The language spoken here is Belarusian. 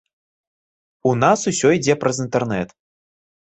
У нас усё ідзе праз інтэрнэт.